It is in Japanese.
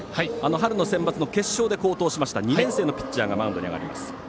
春のセンバツの決勝で好投しました２年生のピッチャーがマウンドに上がります。